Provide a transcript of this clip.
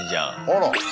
あら！